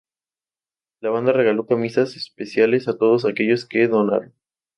La banda regalo camisas especiales a todos aquellos que donaron.